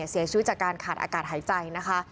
เสียชีวิตจากการขาดอากาศหายใจนะคะ